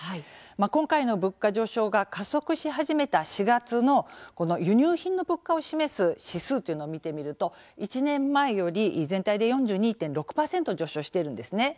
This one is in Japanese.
今回の物価上昇が加速し始めた４月の輸入品の物価を示す指数というのを見てみると１年前より全体で４２．６％上昇しているんですね。